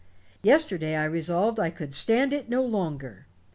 Yesterday I resolved I Could stand it no longer.